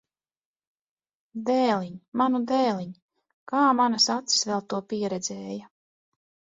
Dēliņ! Manu dēliņ! Kā manas acis vēl to pieredzēja!